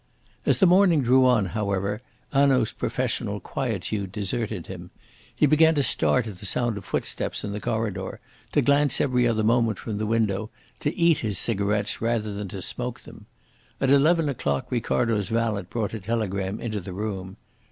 As the morning drew on, however, Hanaud's professional quietude deserted him. He began to start at the sound of footsteps in the corridor, to glance every other moment from the window, to eat his cigarettes rather than to smoke them. At eleven o'clock Ricardo's valet brought a telegram into the room.